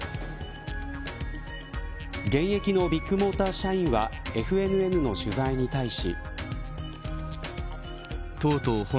現役のビッグモーター社員はＦＮＮの取材に対し。